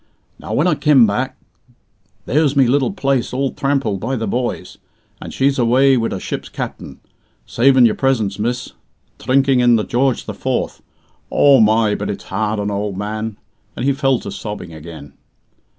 Now, when I kem back, there's me little place all thrampled by the boys, and she's away wid a ship's captain, saving your presence, miss, dhrinking in the 'George the Fourth'. O my, but it's hard on an old man!" and he fell to sobbing again.